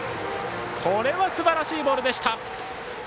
これはすばらしいボールでした！